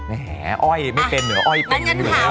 แหมอ้อยไม่เป็นเหรออ้อยเป็นอยู่แล้ว